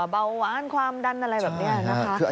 เบาหวานความดันอะไรแบบนี้นะคะ